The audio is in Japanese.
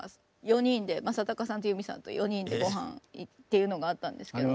４人で正隆さんと由実さんと４人で御飯っていうのがあったんですけど。